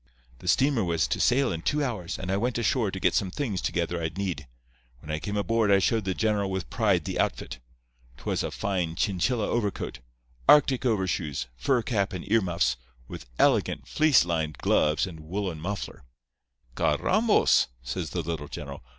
"The steamer was to sail in two hours, and I went ashore to get some things together I'd need. When I came aboard I showed the general with pride the outfit. 'Twas a fine Chinchilla overcoat, Arctic overshoes, fur cap and earmuffs, with elegant fleece lined gloves and woolen muffler. "'Carrambos!' says the little general.